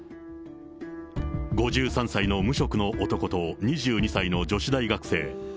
５３歳の無職の男と、２２歳の女子大学生。